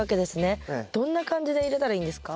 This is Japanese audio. どんな感じで入れたらいいんですか？